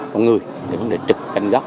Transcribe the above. con người vấn đề trực canh góc